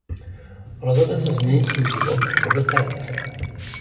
Rozhodne se změnit svůj život podle Terence.